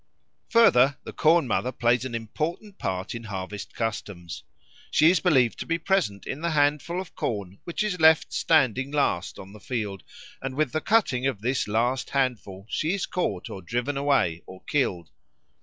Further, the Corn mother plays an important part in harvest customs. She is believed to be present in the handful of corn which is left standing last on the field; and with the cutting of this last handful she is caught, or driven away, or killed.